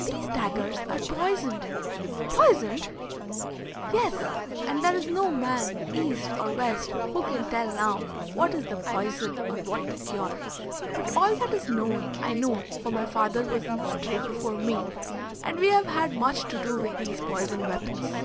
"These daggers are poisoned." "Poisoned!" "Yes, and there is no man, East or West, who can tell now what is the poison or what the cure. But all that is known I know, for my father was in this trade before me, and we have had much to do with these poisoned weapons."